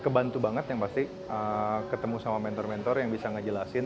kebantu banget yang pasti ketemu sama mentor mentor yang bisa ngejelasin